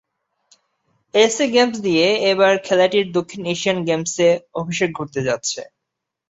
SA games দিয়ে এবার খেলাটির দক্ষিণ এশিয়ান গেমসে অভিষেক ঘটতে যাচ্ছে।